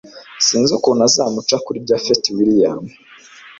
sinzi ukuntu uzamuca kuri japhet william